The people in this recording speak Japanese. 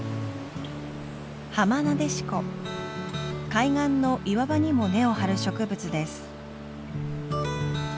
海岸の岩場にも根を張る植物です。